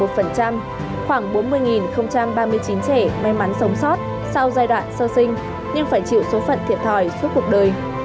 khoảng bốn mươi ba mươi chín trẻ may mắn sống sót sau giai đoạn sơ sinh nhưng phải chịu số phận thiệt thòi suốt cuộc đời